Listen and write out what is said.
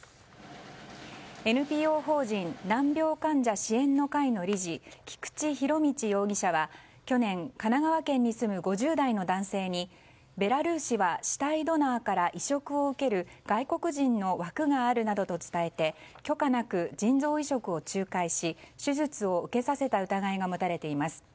ＮＰＯ法人難病患者支援の会の理事菊池仁達容疑者は去年、神奈川県に住む５０代の男性に、ベラルーシは死体ドナーから移植を受ける外国人の枠があるなどと伝えて許可なく腎臓移植を仲介し手術を受けさせた疑いが持たれています。